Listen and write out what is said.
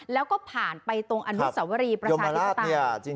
แล้วก็ผ่านไปตรงอนุสวรีประชาธิปไตย